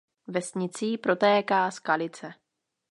Vesnicí protéká Skalice.